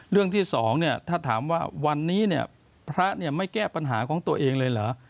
เรื่องที่สองเนี่ยถ้าถามว่าวันนี้เนี่ยพระไม่แก้ปัญหาของตัวเองเลยเหรอ